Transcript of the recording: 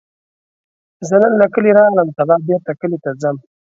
زه نن له کلي راغلم، سبا بیرته کلي ته ځم